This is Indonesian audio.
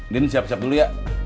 nih ini siap siap dulu ya